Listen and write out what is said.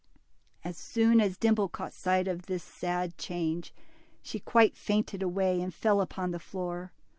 As soon as Dimple caught sight of this sad change, she quite fainted away and fell upon the floor.